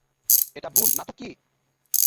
এটা ভুল না তো কি?